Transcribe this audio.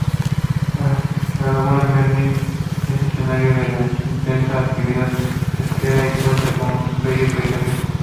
La Laguna Merín es escenario de intensa actividad pesquera y cuenta con bellos paisajes.